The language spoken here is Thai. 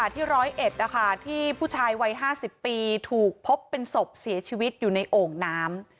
ที่๑๐๑ที่ผู้ชายวัย๕๐ปีถูกพบเป็นศพเสียชีวิตอยู่ในโอ่งน้ำ